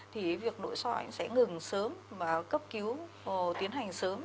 thì việc nội soi sẽ ngừng sớm và cấp cứu tiến hành sớm